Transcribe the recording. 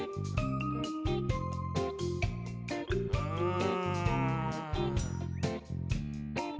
うん。